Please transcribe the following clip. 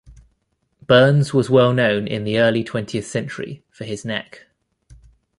Burns was well known in the early twentieth century for his neck.